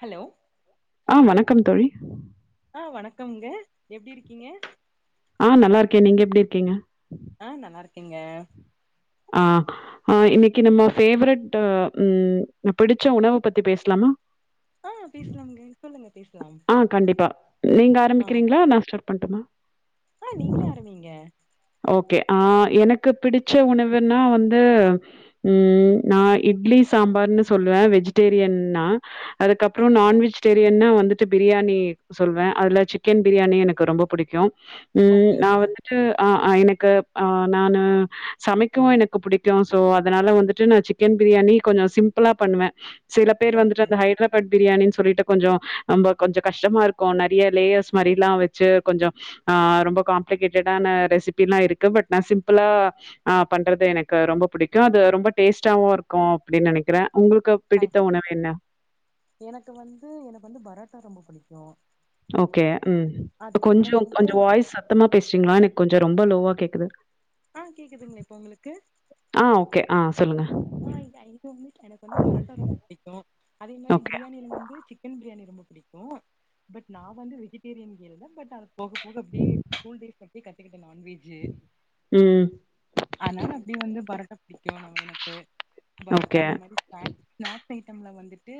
Hello ஆஹ் வணக்கம் தோழி ஆ வணக்கம்ங்க எப்டி இருக்கிங்க ஆஹ் நல்லா இருக்கே நீங்க எப்டி இருக்கிங்க ஆஹ் நல்லா இருக்கேங்க ஆஹ் ஹா இன்னைக்கி நம்ம ஃபேவரட்டு ம் பிடிச்ச உணவு பத்தி பேஸ்லாமா ஆ பேசலாம்ங்க சொல்லுங்க பேசலாம் ஆஹ் கண்டிப்பா நீங்க ஆரம்பிக்கிறிங்ளா நா ஸ்டார்ட் பண்ட்டுமா ஆஹ் நீங்ளே ஆரம்பீங்க ஓகே ஆ எனக்கு பிடிச்ச உணவுன்னா வந்து ம் நா இட்லி சாம்பார்ன்னு சொல்லுவே வெஜ்டேரியன்னா அதுக்கப்றொ ஓகே நான் வெஜ்டேரியன்னா வந்து ட்டு பிரியாணி சொல்வே அதுல சிக்கன் பிரியாணி எனக்கு ரொம்ப புடிக்கு உம் நா ஓகேங்க வந்துட்டு அ அ எனக்கு அ நானு சமைக்கவு எனுக்கு புடிக்கு சோ அதனால வந்துட்டு நா சிக்கன் பிரியாணி கொஞ்சோ சிம்பிளா பண்ணுவே சில பேர் வந்துட்டு ஓகே அந்த ஹைதராபாத் பிரியாணின்னு சொல்லிட்டு கொஞ்சோ ரொம்ப கொஞ்சோ கஷ்டமாருக்கு நறைய லேயர்ஸ் மாதிர எல்லா வச்சு கொஞ்சோ அ ரொம்ப காம்ப்ளிகேட்டடான ரெசிபிலா இருக்கு பட் நா சிம்பிளா அ பண்றது எனக்கு ரொம்ப புடிக்கு அது ரொம்ப டேஸ்ட்டாவுருக்கு அப்புடி நெனைக்குறே எனக்கு வந்து எனக்கு வந்து பரோட்டா ரொம்ப புடிக்கு [inaudible] ஓகே ம் அதுக்கப்புறோ கொஞ்சோ வந்து கொஞ்சோ வாய்ஸ் சத்தமா பேசுறீங்களா எனக் கொஞ்சோ [unintelligible] ஜோ ரொம்ப லோவா கேக்குது அ கேக்குதுங்ள இப்போ உங்களுக்கு ஆ ஓகே. ஆ சொல்லுங்க. அ [inaudible] எனக்கு வந்து பரோட்டா ரொம்ப புடிக்கு அதே மாரி ஓகே. பிரியாணியில் வந்து சிக்கன் பிரியாணி ரொம்ப புடிக்கு பட் நா வந்து வெஜிடேரியன் கேர்ள் தா பட் போக போக அப்டியே கூல்டேஸ்ல எ கத்துக்கிட் நான்வெஜு ம். அனால அப்டியே வந்து பரோட்டா புடிக்கு நம்ம எனக்கு [unintelligible] பரோட்டா ஓகே. இந்த மாதிரி சன [unintelligible] ஃபுட்டு ஐட்டம்ல வந்துட்டு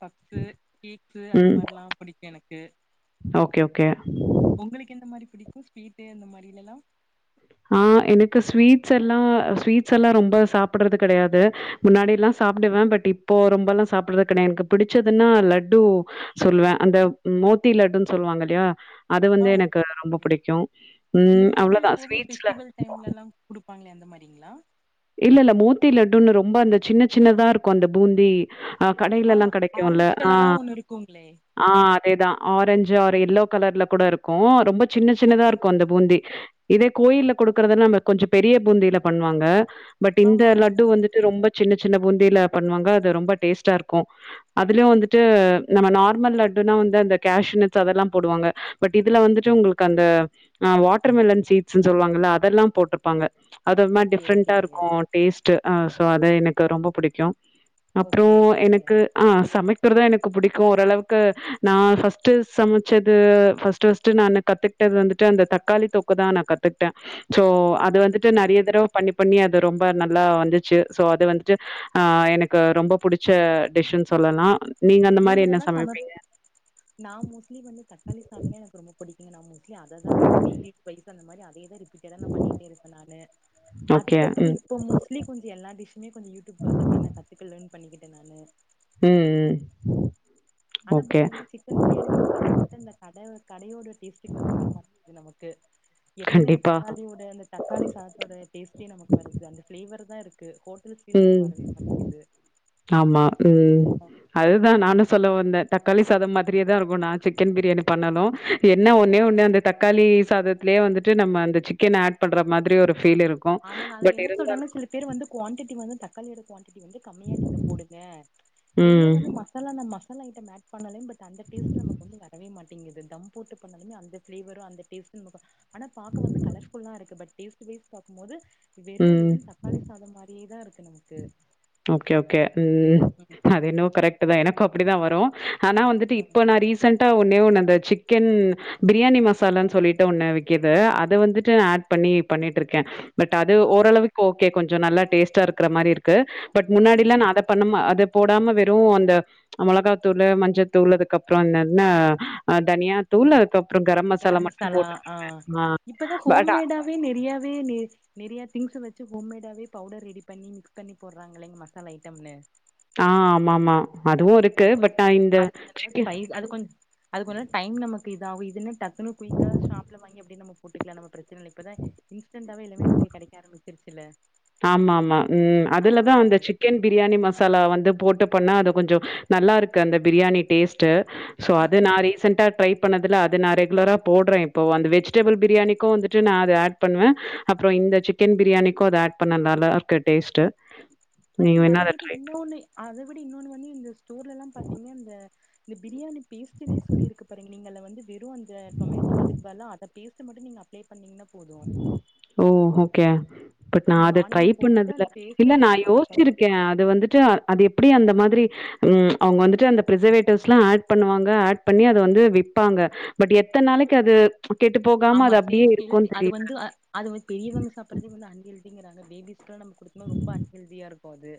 பப்சு கேக்கு அந்த ம். மாதிரிலாம்புடிக்கு எனக்கு ஓகே ஓகே பிடிக்கு ஸ்வீட்டே அந்த மாதிரிலேலா அ எனக்கு ஸ்வீட்ஸெல்லா ஸ்வீட்ஸெல்லா ரொம்ப சாப்படறது கடையாது முன்னாடில்லா சாப்டுவே பட் இப்போ ரொம்பல்லா சாப்பிறது கடையாது எனக்கு பிடிச்சதுன்னா லட்டு சொல்லுவே அந்த மோத்தி லட்டுன்னு சொல்லுவாங்க இல்லையா அது ஆ வந்து எனக்கு ஓகே ரொம்ப புடிக்கு ம் அவ்ளோதா ஸ்வீட் ஃபிவெல் டைம்லல்லாக் குடுக் பங்ளே அந்தமாரிங்ளா இல்லல்ல மோத்தி லட்டுன்னு ரொம்ப அந்த சின்ன சின்னதாருக்கு அந்த பூந்தி ஆ கடைய்லெல்லா கடைக்கும்ல்ல ஆரஞ்ச் ஆ கலரா ஒண்ணு இருக்குங்களே ஆ அதேதா ஆரஞ் [unintelligible] எல்லோ கலர்ல கூட இருக்கு ரொம்ப சின்ன ஓகே சின்னதாருக்கு அந்த பூந்தி இதே கோயில்ல குடுக்கறதல கொஞ்சோ பெரிய பூந்தியில பண்வாங்க பட் இந்த ஆமா லட்டு ஆமாங்க வந்துட்டு ரொம்ப சின்ன சின்ன பூந்தியில பண்ணுவாங்க அது ரொம்ப டேஸ்ட்டாருக்கு அதுல வந்துட்டு நம்ம நார்மல் லட்டுனா வந்து அந்த கேஷ்னட்ஸ் அதெல்லா போடுவாங்க பட் இதுல வந்துட்டு உங்களுக்கு அந்த அ வாட்டர்மெலன் சீட்ஸ்ன்னு சொல்லுவாங்கல்ல அதெல்லா போட்ருப்பாங்க அது ஒர்மா ஓகே டிஃப்ரெண் ஓகேங்க டாருக்கு டேஸ்ட்டு ஆ சோ அது எனக்கு ரொம்ப புடிக்கு அப்றோ ஓகே ஓகேங்க எனக்கு ஆ சமைக் குறதா எனக்கு புடிக்கு ஓரளவுக்கு நா ஃபஸ்ட்டு சமச்சது ஃபஸ்ட்டு ஃபஸ்ட்டு நானு கத்துக்டது வந்துட்டு அந்த தக்காளி தொக்குதா நா கத்துக்டே சோ அது ஓகே வந்துட்டு ஓகே நெறைய தடவ பண்ணி இங்கியு அது ரொம்ப நல்லா வந்துச்சு சோ அது வந்துட்டு ஆஹ் எனக்கு ரொம்ப புடிச்ச டிஷ்ன்னு சொல்லலா நீங்க நல்லா சமப் நா மோஸ்ட்லி வந்து தக்காளி சாதமே எனக் ரொம்ப புடிக் நீங்க நம் [inaudible] அத‌தா வந்து வீக்லி டுவைஸ் அந்த மாரி அ தே தா ரிப் ப்பீட்டடா நா பண்ணிட்டேருப்ப நானு ஓகே. அதுகப்பறோ ம். இபப மோஸ்ட்லி எல்லா டிஷ்ஸுமே கொஞ்சோ யூடியூப்ல பாத்து அப்டியே நா கத்துக்குல பண்ணிக்கிட்டே நானு உம் உம் ஆனா பட் வந்து சிக்கன் ப்ரியாணி நம்ம பண்ண மட்டு இந்த [unintelligible] கடையோடு டேஸ்ட்டுக்கு வந்து வரமாட்கிது நமக் கு எப்பியுமே கண்டிப்பா. தக்காளியோட அந்த தக்காளி சாதத்தோட டேஸ்ட்டே நமக்கு வருது அந்த பிளேவர் தா இருக் கு ஹோட் உம் ஆமா உம் அதுதா நானு சொல்லவந்தே தக்காளி சாத மாரியே தா இருக்கும் நா சிக்கன் ப்ரியாணி பண்ணாலு என்ன ஒன்னே ஒன்னு அந்த தக்காளி சாதத்லியே வந்துட்டு நம்ம அந்த சிக்கன் ஆட் பண்ற மாத்ரி ஒரு ஃபீல் இருக்கும். ஆமாங்க அதுல பட் என்ன இருந்தாலும் சொல்றாங்னா சில பேர் வந்து குவான்டிடி வந்து த [unintelligible] [unintelligible] வந்து கம்மியா நீங்க போடுங்க நிறைய ம். வந்து மசாலா அந்த ம சாலா ஐட்டம் ஆட் பண்ணல பட் அந்த டேஸ்ட்டு நமக் வந்து வரவே மாட் அப்படிங்குது தம் போட்டு பண்ணாலுமே அந்த ஃப்ளேவரு அந்த டேஸ்டு நம் [unintelligible] ஆனா பாக்க வந்து கலர்ஃபுல்லா இருக்கு பட் டேஸ்ட்டு வைஸ் [unintelligible] மோது ம் இருக்கு நமக்கு ஓகே ஓகே ம் அது என்னோவோ கரெக்ட்டு தா எனக்கு அப்படிதா வரு ஆனா வந்துட்டு இப்ப நா ரீசெண்டா ஒன்னே ஒன்னு சிக்கன் பிரியாணி மசாலானு சொல்லிட்டு ஒன்னு விக்கிது அது வந்துட்டு ஆட் பண்ணி பண்ணிட்டு இருக்கே பட் அது ஆ ஓரளவுக்கு ஓகே கொஞ்ச நல்லா டேஸ்டா இருக் ருக்கிற மாரி இருக்கு பட் ஆமாங் முன்னாடிலாம் நான் அத பண்ணமா அது போடாம வெறும் அந்த மொளகா தூளு மஞ்ச தூளு அதுக்கப்பறம் என்னன்ன தனியா தூள் அதுக்கப் கரம் மசாலா ஆ இப்பதான் பட் ஹோம்மேடாவே நெறையாவே நெ நெறைய திங்க்ஸ வச்சு ஹோம்மேடாவே பவுடர் ரெடி பண்ணி மிக்ஸ் பண்ணி போடறாங்களே மசாலா ஐட்டம்லே ஆ ஆமாம்மா அது கொஞ் அது கொஞ்ச நல்லா ஸ்பை அது கொஞ் அது கூட டைம் நமக் ப்பிதாவு இதுன்னு டக் இவ்ளோ குயிக்கா ஷாப்ல வாங்கி அப்பிடியே நம்ம போட்டுக்கலாம் நம்ம பிரச்சனைல்ல இப்பதான் இன்ஸ்டண்டாவே எல்லாமே நமக்கு கெடைக்க ஆரம்பிச்சிருச்சல்ல ஆமா ஆமா ம் அதுலதான் அந்த சிக்கன் பிரியாணி மசாலா வந்து போட்டுபண்ணா அது கொஞ்ச நல்லாருக்கு அந்த பிரியாணி டேஸ்ட்டு சோ ஆ, அது இ- நா ரீசெண்டா ட்ரை பண்ணதுல்ல அது நான் ரெகுலரா போடுறே இப்போ வந்து வெஜ்டேபிள் பிரியாணிக்கும் வந்துட்டு நா அத ஆட் பண்ணுவே அப்புறம் இந்த சிக்கன் பிரியாணிக்கும் அத ஆட் அப்ப நா நல்லா இருக்கு டேஸ்ட்டு இப்ப நீங்க அத விட இன்னோன்னு அத விட இன்னோன்னு வந்து இந்த ஸ்டோர் இதெல்லா பாத்திங்க இந்த இந்த பிரியாணி பேஸ்ட்டுனே சொல்லி இருக்கு பாருங்க நீங்க அதுல வந் து வெறு அந்த டொமேட்டோ அதுக்கு பதிலா அத பேஸ்ட்டு மட்டு நீங்க அப்ளே ஓ ஓகே பட் ஆ நா நீங்க அத ட்ரை ஆனியன் பண்ணது போட்டுட்டு இல்ல, அந்த பேஸ்ட் இல்ல நா நீங்க பட் அது யோசிச்சிருக்கே அது வந்துட்டு அது எப் ப்டி அந்த மாதிரி ம் அவங்க வந்துட்டு அந்த பிசர்வேட்டிவ்ஸ்ல்லா ஆட் பண்ணுவாங்க ஆட் பண்ணி அத வந்து விப்பாங்க பட் எத்தன நாளைக்கு அது கெட்டு போகாம ஆமா அது அப்டியே சேஃப் இரு ஹெல்த் அது வந்து அ அதுவு பெரியவங்க சாப்பிட்றதே வந்து அன்ஹெல்த் அப்டிங்கிறாங்க பேபிஸ் க்லா நம்ப குடுக்கும்போது ரொம்ப அன் ஹெல்தியாருக் போது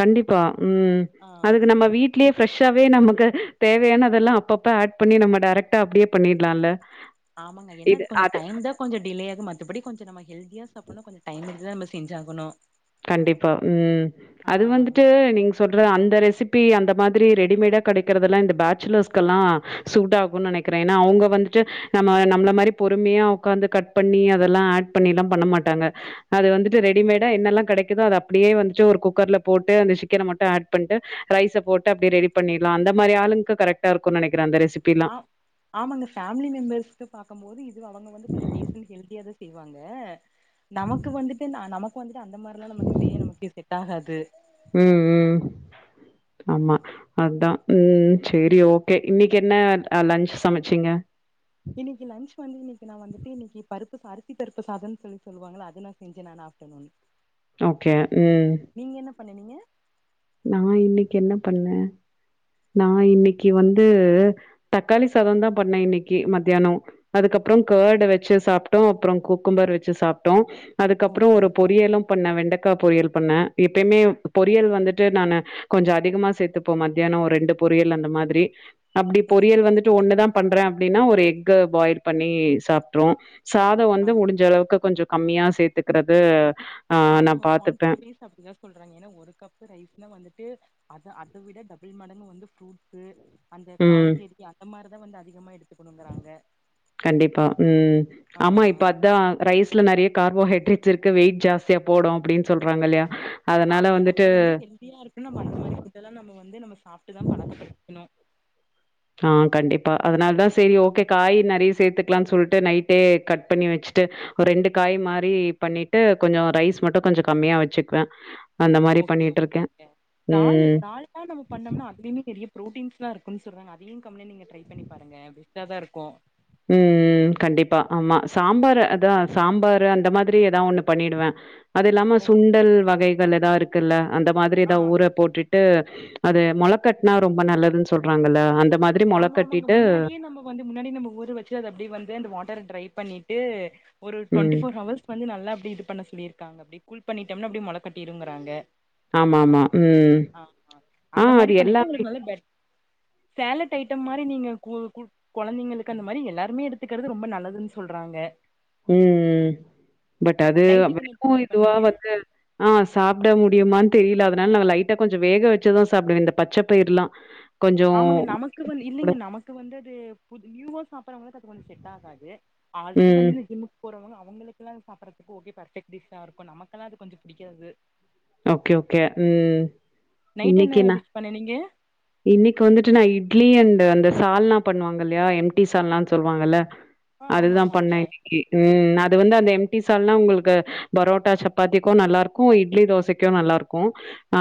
கண்டிப்பா ம் அதுக்கு நம்ம வீட்லயே ஃப்ரெஷ்ஷாவே நம க்கு தேவையானதெல்லா அப்பப்ப ஆட் பண்ணி நம்ம டைரக்டா அப்டியே பண்ணிடலால ஆமாங்க என்ன அது கொஞ்ச டைம் தான் கொஞ்சம் டிலேயாகும் மத்தபடி கொஞ்சம் நம்ம ஹெல்தியா சாப்பிடனு கொஞ்சம் டைம் எடுத்துதா நம்ம ஞ்சாகணும் கண்டிப்பா உம் அது வந்துட்டு நீங்க சொல்ற அந்த ரெசிப் ப்பி அந்த மாதிரி ரெடிமேடா கிடைக்கறதெல்லாம் இந்த பேச்சலர்ஸ்க் கெல்லாம் சூட் ஆகும்னு நினைக்கிறேன் ஏன்னா அவங்க வந்துட்டு நம்ம நம்மள மாதிரி பொறுமையா உடக்காந்து கட் பண்ணி அதெல்லாம் ஆட் பண்ணி எல்லாம் பண்ண மாட்டாங்க அது வந்துட்டு ரெடிமேடா என்னெல்லாம் கிடைக்குதோ அது அப்படியே வந்து ஒரு குக்கர்ல போட்டு அந்த சிக்கனை மட்டும் ஆட் பண்ட்டு ரைஸ போட்டு அப்படி ரெடி பண்ணில்லாம் அந்த மாரி ஆலுங்லுக்கு கரெக்ட்டா இருக்கு நெனைக்ர அந்த ரெசிப் ஆ ஆமாங்க பேமிலி மெம்பர்ஸுக்கு பாக்கும் போது இது அவங்க வந்து கொஞ்ச டேஸ் அண்ட் ஹெல்த்தியாத செய்வாங்க நமக்கு வந்துட்டு ந நமக்கு வந்துட்டு அந்த மாரில்லாம் நமக்கு செய்ய நமக்கே செட் ஆகாது உம் உம் ஆமா அதான் உம் சரி ஓகே இன்னைக்கு என்ன அ லன்ச் சமைச்சீங்க இன்னைக்கு லன்ச் வந்து இன்னைக்கு நான் வந்துட்டு இன்னைக்கு பருப் அரிசி தருப்பு சாதம்னு சொல்லி சொல்லுவாங்களா அது நான் செஞ்சே நான் ஆப்டர்நூன் ஓகே உம் பண்ண நீங்க நான் இன்னைக்கு என்ன பண்ணேன் நான் இன்னைக்கு வந்தூ தக்காளி சாதம் தான் பண்ணேன் இன்னைக்கு மத்யானம் அதுக்கப்பறம் கர்ட வச்சு சாப்ப உ அப்புறம் கூக்கும்ம்பர் வச்சு சாப்பிட்டோன் அதுக்கப்புறம் ஓகே ஒரு ஓகே பொரியலும் பண்ணே வெண்டக்கா பொரியல் பண்ணேன் எப்பயுமே பொறியல் வந்துட்டு நானு கொஞ்சம் அதிகமா சேர்த்துப்போம் மத்யானம் ஒரு ரெண்டு பொரியல் அந்த மாதிரி அப்டி ஓகே பொரியல் வந்துட்டு ஓகே ஒன்னுதா பண்றே அப்டினா ஒரு எக் க்க பாயில் பண்ணி சாப்ட்ருவோ சாத ஆ வந்து முடிஞ்ச அளவுக்கு கொஞ்ச கம்மியா சேத்துக்கிறது ஆமாங்க குவாடிட்டி வைஸ் அப்டிதா சொல்றாங்க ஏனா ஒரு கப்பு ரைஸ்ல வந்துட்டு அத அத விட டபுள் மடங்கு வந்து ஃப்ரூட்டு அந்த ம் காய்கறி அந்த மாரி தா வந்து அதிகமா எடுத் கண்டிப்பா உம் ஆ ஆமா இப்ப அதா ரைஸ்ல நெறைய கார்போஹைடரேட்ஸ் இருக்கு வெயிட் ஜாஸ்தியா போடு அப்டின் ஆமங்க நம்ப வந்து ஹெல்தியா இருக்கணு நம்ம அந்த மாரி ஃபுட்டெல்லா நம்ம வந்து நம்ம சாப்ட்டுதா பழக்கப்படுத்திக்கணு ஆஹ் கண்டிப்பா அதனால தா செரி ஆ ஓகே காய் நெறையா சேத்துக் லான் சொல்ட்டு நைட்டே கட் பண்ணி வச்சுட்டு ஒரு ரெண்டு காய் மாரி பண்ணிட்டு கொஞ்ச ரைஸ் மட்டு கொஞ்ச கம்மியா வச்சுக்குவே ஓகே ஓகேங்க தால் ம். தால்லா நம்ம பண்ணம்னா அதுலயுமே நெறைய ப்ரோட்டீன்ஸ் லா இருக்குன் சொல்றாங்க அதையு கம்லன் நீங்க ட்ரை பண்ணி பாருங்க பெஸ்டா தா இருக்கு உம் உம் கண்டிப்பா ஆமா சாம்பார் அதா சாம்பாரு அந்த மாதிரி எதா ஒன்னு பண்ணிடுவே அது இல்லாம ஓகே சுண்டல் வகைகள் எதா இருக் க்குல்ல அந்த மாதிரி ஆ தா ஆமா ஊரப் போட்டுட்டு அது மொளக்கட்னா ரொம்ப நல்லதுன் சொல்றாங்கல்ல அந்த மாதிரி மொள ஆமா ஆமாங்க கட்டிட்டு முன்னாடியே நம்ம வந்து முன்னாடி ந நம்ம ஊர் வச்சு அது அப்டி வந்து அந்த வாட்டர ட்ரை பண்ணிட் டு ஒரு டுவெண்டி ம். ஃபோர் ஹவர்ஸ் வந்து நல்லா அப்டி இதுப் பண்ண சொல்லிருக்காங்க அப்டி கூல் பண்ணிட்டம்னா அப்டி மொளக் கட்டிருங்கிறாங்க ஆமா ஆமா உம் அந்த ஆஹ் அது மாரி பண்ணீங்கன்னா எல்லாமே உங்களுக்கு நல்ல பெட் சேலட் டைட்டம் மாரி நீங்க கூல் குல் கொழந்தைங்களுக்கு அந்த மாரி எல்லாருமே எடுத்துக்கிறது ரொம்ப நல்லதுன் சொல்றாங்க உம் பட் அது நைட்டுக்கு என்ன [inaudible] டின்னர் இதுவா பண்ணீங்க வந்து ஆஹ் சாப்ட முடியுமான் தெரியல அதனால நாங்க லைட்டா கொஞ்சோ வேக வச்சுதா சாப்டுவே இந்த பச்ச பயிர்லா ஆமங்க நமக்கு வந் இல்லைங்க நமக்கு வந்த து புது நியூவா சாப்ட் பறவங்களுக்கு அது கொஞ்சோ செட் ஆகாது ஆல்ரெடி ம். வந்து இந்த ஜிம்முக் போறவங்க அவங்களுக்கெல்லா சாப்பிடுறதுக்கு ஓகே பர்ஃபக்ட் டிஷ்ஷா இருக்கு நமக்கெல்லா அது கொஞ்சோ பிடிக்காது ஓகே ஓகே உம் நைட் என்ன டிஷ் பண்ணிணீங்க இன்னைக்கு வந்துட்டு நான் இட்லி அண்ட் அந்த சால்னா பண்ணுவாங்க இல்லையா எம் டி சால்னானு சொல்லுவாங்கல்ல ஆ ஆமா அதுதா பண்ண ஆமாங்க இன்னைக்கு உம் அது வந்து அந்த எம்டி சால்னா உங்களுக்கு பரோட்டா சப்பாத்திக்கு நல்லா இருக்கு இட்லி தோசைக்கு நல்லா இருக்கு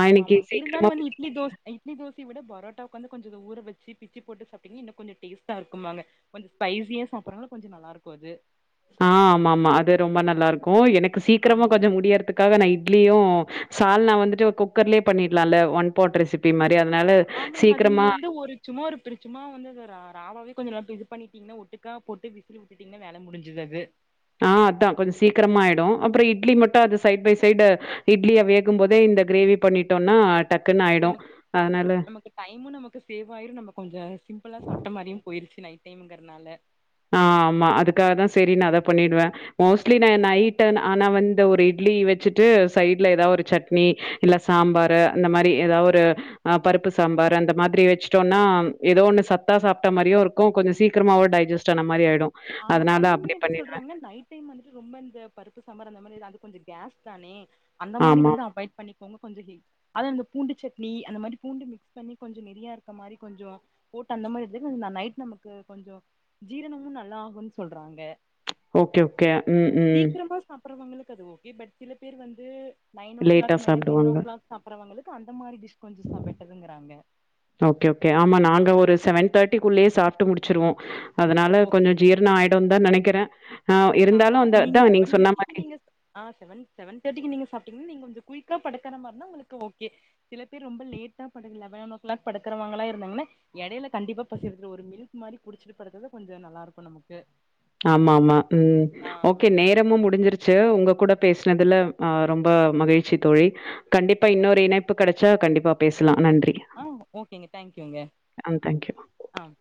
ஆமா ஆமா இருந்தாலு வந்து இட்லி தோச இட்லி தோச த்தி விட பரோட்டாக்கு வந்து கொஞ்சோ ஊற வச்சு பிச்சு போட்டு சாப்பிட்டீங்கன்னா இன்னு கொஞ்சோ டேஸ்டா இருக்குனுவாங்க கொஞ்சோ ஸ்பைசியா சாப்படுறா கொஞ்சோ நல்லாருக்கு அது ஆஹ் ஆமா ஆமா அது ரொம்ப நல்லா இருக் கு எனக் சீக்கிரமா ஆமாங்க கொஞ்சோ முடியறதுக்காக நைட் இட்லியு சால்னா வந்துட்டு குக்கர்லயே பண்ணிடலால்ல ஒன் போர்த் ரெசிபி மாரி அதனால ஆமாங்க அது சீக்கிரமா நீங்க வந்து ஒரு சும்மா ஒரு பிரி சும்மா வந்து ரா ராவாவே கொஞ்சோ நல்லா பே பண்ணிட்டீங்கன்னா ஒட்டுக்கா போட்டு விசில் விட்டுட்டீங்கன்னா வேல முடிஞ்சது அது ஆஹ் அதா கொஞ்சோ சீக்கிரமாயிடும் அப்ரோ இட்லி மட்டும் அது சைட் பை சைடு இட்லிய வேகும் போதே இந்த கிரேவி பண்ணிட்டோனா நம நமக்கு டைமும் நமக்கு சேவ் ஆயிரும் நம்ம கொஞ்சம் சிம்பிளா சாப்பிட்ட மாதிரியும் போயிருச்சு நைட் டைம்ங்கிறதுனால ஆஹ் ஆமா அதுக்காக தான் சரி நான் அதை பண்ணிடுவேன் மோஸ்ட்லி நான் நைட் ஆனா வந்து ஒரு இட்லி வச்சுட்டு சைட்ல ஏதாவது ஒரு சட்னி இல்ல சாம்பார் அந்த மாரி ஏதாவது ஒரு ஆஹ் பருப்பு சாம்பார் அந்த மாதிரி வச்சுட்டோம்னா ஏதோ ஒண்ணு சத்தா சாப்பிட்ட மாரியும் இருக்கும் கொஞ்சம் சீக்கிரமாவும் டைஜஸ்ட் ஆன மாரி ஆயிடும் ஆமா அதனால அதுவுமே அப்படி என்ன பண்ணிடுவேன். சொல்றாங்க நைட் டைம் வந்துட்டு ரொம்ப இந்த பருப்பு சாம்பார் அந்த மாரி அது கொஞ்சம் கேஸ் தானே அந்த மாதிரி ஆமா. வந்து அவாய்ட் பண்ணி கொஞ்சம் ஹ அத அந்த பூண்டு சட்னி அந்த மாதிரி பூண்டு மிக்ஸ் பண்ணி கொஞ்சம் நிறையா இருக்க மாரி கொஞ்சம் போட்டு அந்த மாரி நைட் நமக்கு கொஞ்சம் ஜீரணமும் நல்லா சொல்றாங்க ஓகே ஓகே உம் உம் சாப்டுறவங்களுக்கு அது ஓகே பட் சில பேர் வந்து நைன் ஓ லேட்டா கிளாக் மேல டென் ஓ சாப்பிடுவாங்க. கிளாக் சாப்பிடுறவங்க அந்த மாரி டிஸ் ஓகே ஓகே ஆமா நாங்க ஒரு செவன் தேர்ட்டிக்குள்ளே சாப்பிட்டு முடிச்சிருவோம் அதனால ஓகே கொஞ்சம் ஜீரணம் ஆயிடும் தான் நினைக்கிறேன் ஆமா அது நீங்க செவன் தேர்ட்டிக்கு நீங்க ஆ செவன் செவன் தேர்ட்டிக்கு நீங்க சாப்பிட்டீங்கன்னா நீங்க கொஞ்சம் குயிக்கா படுக்கற மாரினா உங்களுக்கு ஓகே சில பேர் ரொம்ப லேட்டா ப லெவன் ஓ கிளாக் படுக்கறவங்களா இருந்தாங்கன்னா இடைல கண்டிப்பா பசி எடிக்கு த ஒரு மில்க் மாதிரி குடிச்சுட்டு படுக்குறது கொஞ்சம் நல்லா இருக்கும் நமக்கு ஆமா ஆமா ம் ஆ ஆ ஓகே நேரமும் முடிஞ்சிருச்சு உங்க கூட பேசினதுல ஆஹ் ரொம்ப மகிழ்ச்சி தொழி கண்டிப்பா இன்னொரு இணைப்பு கெடச்சா கண்டிப்பா பேசலாம் நன்றி. ஆஹ் ஓகேங்க தேங்க்யூங்க அ தேங்க்யூ. ஆஹ்